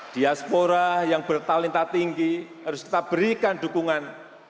diaspora yang bertalenta tinggi harus kita berikan dukungan